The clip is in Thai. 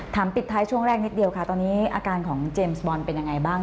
ปิดท้ายช่วงแรกนิดเดียวค่ะตอนนี้อาการของเจมส์บอลเป็นยังไงบ้าง